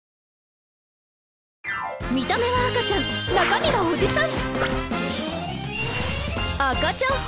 見た目は赤ちゃん中身はおじさん！